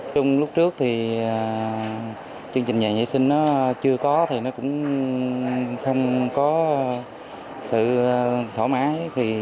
trong lúc trước thì chương trình nhà vệ sinh nó chưa có thì nó cũng không có sự thoả mãn